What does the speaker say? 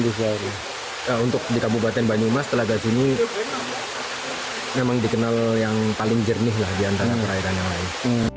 untuk di kabupaten banyumas telaga sini memang dikenal yang paling jernih lah di antara perairan yang lain